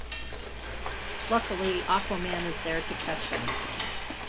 Luckily, Aquaman is there to catch him.